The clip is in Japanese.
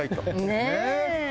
ねえ。